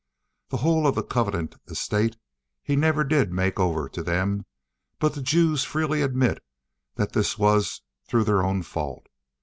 The whole of the covenanted estate he never did make over to them, but the Jews freely admit that this was through their own fault.